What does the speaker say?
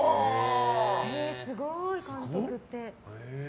すごい、監督って。